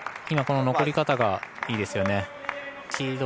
今、この残り方がいいですよね。